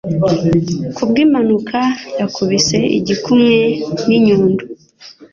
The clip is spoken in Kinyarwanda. ku bw'impanuka yakubise igikumwe n'inyundo.